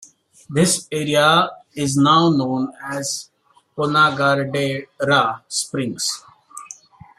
This area is now known as Konagaderra Springs.